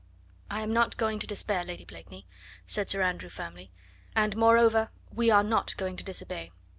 "I am not going to despair, Lady Blakeney," said Sir Andrew firmly; "and, moreover, we are not going to disobey.